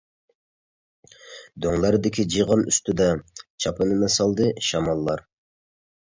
دۆڭلەردىكى جىغان ئۈستىدە، چاپىنىنى سالدى شاماللار.